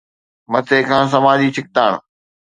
مٿي کان سماجي ڇڪتاڻ.